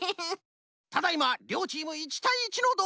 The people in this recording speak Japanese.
ただいまりょうチーム１たい１のどうてん！